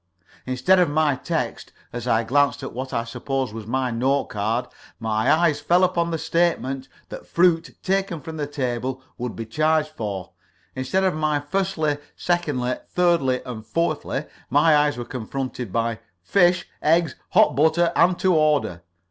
Instead of my text, as I glanced at what I supposed was my note card, my eyes fell upon the statement that fruit taken from the table would be charged for; instead of my firstly, secondly, thirdly, and fourthly, my eyes were confronted by Fish, Eggs, Hot Bread, and To Order.